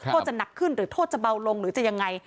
โทษจะหนักขึ้นหรือโทษจะเบาลงหรือจะยังไง